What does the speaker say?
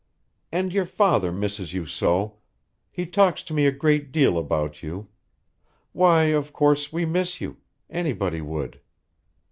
And your father misses you so; he talks to me a great deal about you. Why, of course we miss you; anybody would."